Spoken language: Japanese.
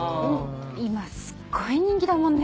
今すっごい人気だもんね